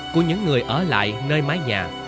của những người ở lại nơi mái nhà